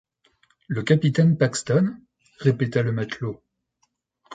Le capitaine Paxton?... répéta le matelot.